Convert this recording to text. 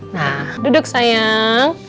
nah duduk sayang